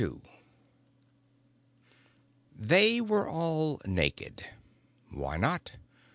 2 THEY were all naked. Why not?